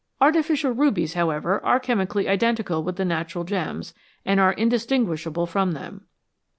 Artificial rubies, however, are chemically identi cal with the natural gems, and are indistinguishable from them.